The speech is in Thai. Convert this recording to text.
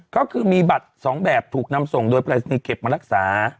ก็คือมีบัตร๒แบบถูกนำส่งโดยปรายศนีย์เก็บมารักษา